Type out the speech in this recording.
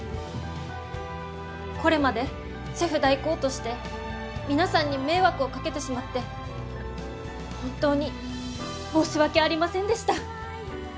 これまでシェフ代行として皆さんに迷惑をかけてしまって本当に申し訳ありませんでした。